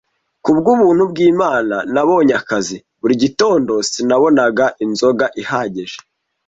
Ku bw’ubuntu bw’Imana, nabonye akazi. Buri gitondo sinabonaga inzoga ihagije,